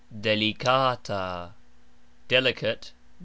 delikAta : delicate.